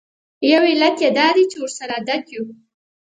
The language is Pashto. یو علت یې دا دی چې ورسره عادت یوو.